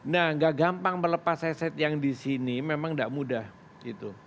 nah nggak gampang melepas eset yang di sini memang tidak mudah gitu